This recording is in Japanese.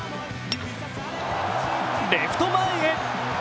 レフト前へ。